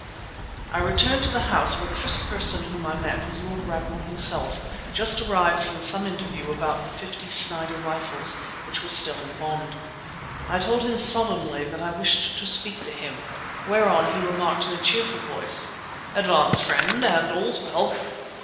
I returned to the house where the first person whom I met was Lord Ragnall himself, just arrived from some interview about the fifty Snider rifles, which were still in bond. I told him solemnly that I wished to speak to him, whereon he remarked in a cheerful voice, "Advance, friend, and all's well!"